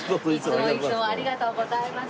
いつもいつもありがとうございます。